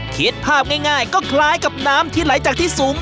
คิดภาพง่ายก็คล้ายกับน้ำที่ไหลจากที่สูง